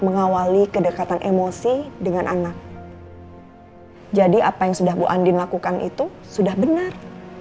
mengawali kedekatan emosi dengan anak jadi apa yang sudah bu andin lakukan itu sudah benar